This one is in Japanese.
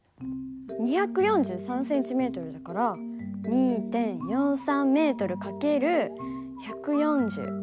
２４３ｃｍだから２．４３ｍ×１４０。